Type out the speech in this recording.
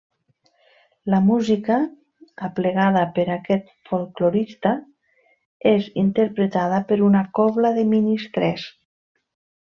La música, aplegada per aquest folklorista, és interpretada per una cobla de ministrers.